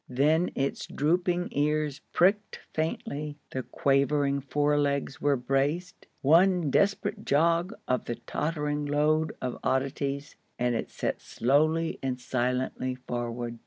Then its drooping ears pricked faintly, the quavering forelegs were braced, one desperate jog of the tottering load of oddities, and it set slowly and silently forward.